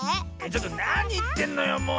ちょっとなにいってんのよもう。